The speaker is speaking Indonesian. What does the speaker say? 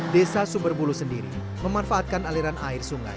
desa sumber buluh sendiri memanfaatkan aliran air sungai